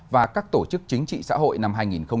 và các tổ chức chính trị xã hội năm hai nghìn một mươi chín